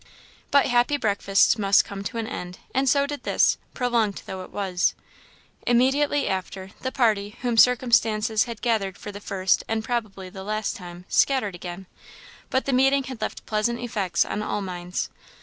But happy breakfasts must come to an end, and so did this, prolonged though it was. Immediately after, the party, whom circumstances had gathered for the first and probably the last time, scattered again: but the meeting had left pleasant effects on all minds.